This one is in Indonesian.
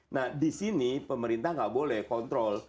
nah di sini pemerintah nggak boleh kontrol